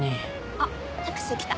あっタクシー来た。